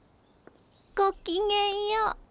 ごきげんよう。